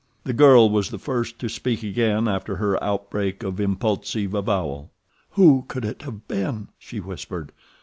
The girl was the first to speak again after her outbreak of impulsive avowal. "Who could it have been?" she whispered.